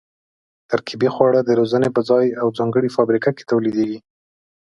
ترکیبي خواړه د روزنې په ځای او ځانګړې فابریکه کې تولیدېږي.